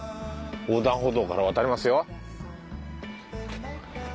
横断歩道から渡れますよ。